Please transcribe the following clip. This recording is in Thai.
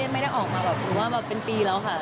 ไม่ได้ออกมาแบบหรือว่าแบบเป็นปีแล้วค่ะ